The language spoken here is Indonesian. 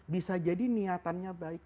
bisa jadi niatannya baik